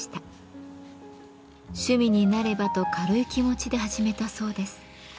趣味になればと軽い気持ちで始めたそうです。